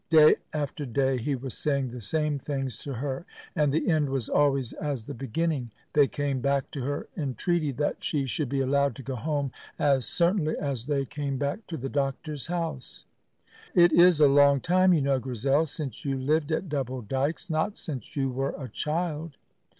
Day after day he was saying the same things to her, and the end was always as the beginning. They came back to her entreaty that she should be allowed to go home as certainly as they came back to the doctor's house. "It is a long time, you know, Grizel, since you lived at Double Dykes not since you were a child."